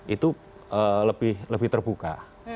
itu lebih terbuka